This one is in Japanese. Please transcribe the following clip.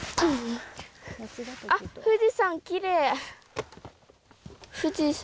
あっ、富士山きれい。